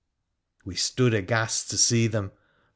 We stood aghast to see them.